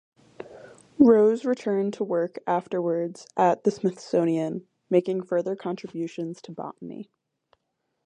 Rose returned to work afterwards at the Smithsonian, making further contributions to Botany.